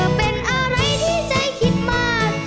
เป็นอะไรที่ใจคิดมาก